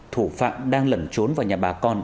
thủ phạm đang lẩn trốn vào nhà bà con